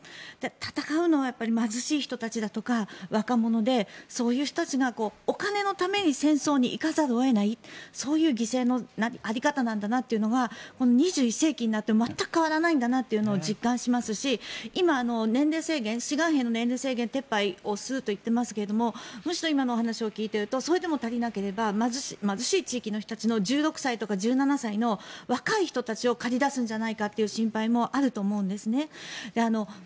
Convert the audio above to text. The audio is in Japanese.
戦うのはやっぱり貧しい人たちとか若者でそういう人たちがお金のために戦争に行かざるを得ないそういう犠牲の在り方なんだなというのはこの２１世紀になっても全く変わらないんだなというのを実感しますし今、志願兵の年齢制限を撤廃すると言っていますがむしろ今の話を聞いているとそれでも足りなければ貧しい地域の人たちの１６歳とか１７歳の若い人たちを駆り出すんじゃないかという心配もあると思うんですね。